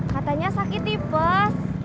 katanya sakit di bus